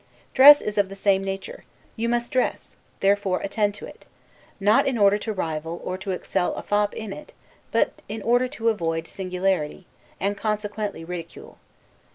Dress is of the same nature; you must dress; therefore attend to it; not in order to rival or to excel a fop in it, but in order to avoid singularity, and consequently ridicule.